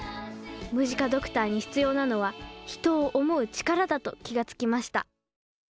ムジカドクターに必要なのは人を思う力だと気が付きました